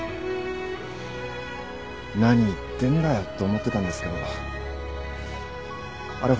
何言ってんだよって思ってたんですけどあれ